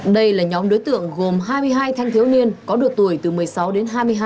đây là nhóm đối tượng gồm hai mươi hai thanh thiếu niên có độ tuổi từ một mươi sáu đến hai mươi hai